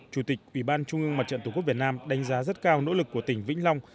chủ tịch ủy ban trung ương mặt trận tổ quốc việt nam đánh giá rất cao nỗ lực của tỉnh vĩnh long